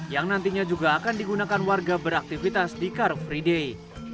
yang nantinya juga akan digunakan warga beraktivitas di car free day